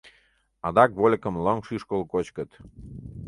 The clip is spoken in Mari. Адак вольыкым лыҥ шӱшкыл кочкыт.